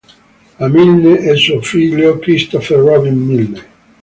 A. Milne e suo figlio Christopher Robin Milne.